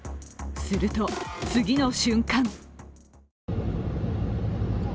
すると次の瞬間。